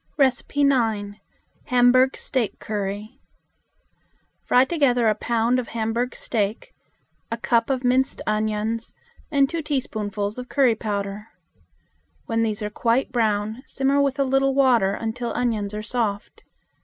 9. Hamburg Steak Curry. Fry together a pound of hamburg steak, a cup of minced onions, and two teaspoonfuls of curry powder. When these are quite brown simmer with a little water until onions are soft.